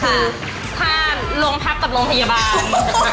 คือถ้าโรงพักกับโรงพยาบาล